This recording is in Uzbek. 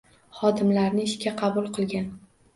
Xodimlarni ishga qabul qilgan.